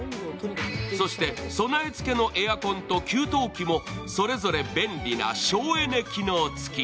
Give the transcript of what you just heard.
そして、備え付けのエアコンと給湯器もそれぞれ便利な省エネ機能付き。